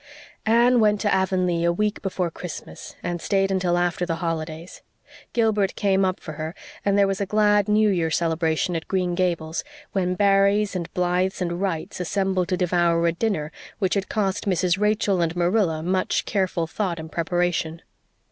Anne went to Avonlea a week before Christmas and stayed until after the holidays. Gilbert came up for her, and there was a glad New Year celebration at Green Gables, when Barrys and Blythes and Wrights assembled to devour a dinner which had cost Mrs. Rachel and Marilla much careful thought and preparation.